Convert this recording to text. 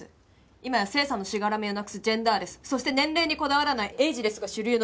今や性差のしがらみをなくすジェンダーレスそして年齢にこだわらないエイジレスが主流の時代です。